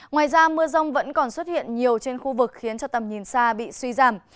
ngoài ra mưa rông vẫn còn xuất hiện nhiều trên khu vực khiến cho tầm nhìn xa bị suy giảm